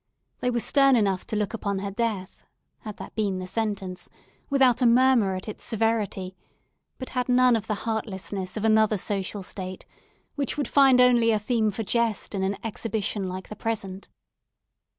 They were stern enough to look upon her death, had that been the sentence, without a murmur at its severity, but had none of the heartlessness of another social state, which would find only a theme for jest in an exhibition like the present.